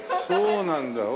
そうなんだ。